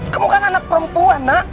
kamu kan anak perempuan nak